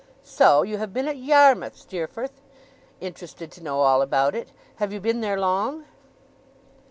'So you have been at Yarmouth, Steerforth!' interested to know all about it. 'Have you been there long?